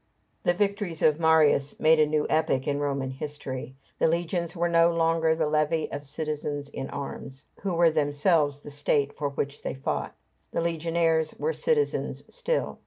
The victories of Marius mark a new epoch in Roman history. The legions were no longer the levy of the citizens in arms, who were themselves the state for which they fought. The legionaries were citizens still.